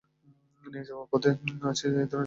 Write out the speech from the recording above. নিয়ে যাওয়ার পথে আছি কোন ধরনের সমস্যা?